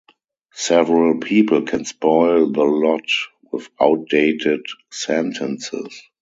Several people can spoil the lot with outdated sentences.